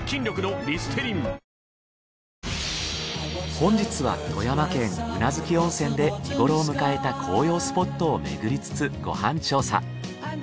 本日は富山県宇奈月温泉で見ごろを迎えた紅葉スポットをめぐりつつご飯調査。